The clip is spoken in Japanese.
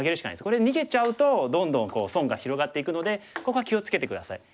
これ逃げちゃうとどんどん損が広がっていくのでここは気を付けて下さい。